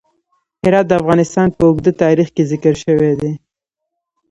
هرات د افغانستان په اوږده تاریخ کې ذکر شوی دی.